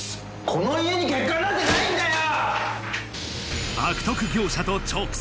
この家に欠陥なんてないんだよ！